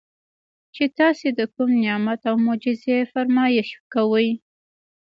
چې تاسي د کوم نعمت او معجزې فرمائش کوئ